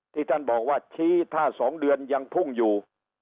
ที่ท่านบอกว่าชี้ถ้า๒เดือนยังพุ่งอยู่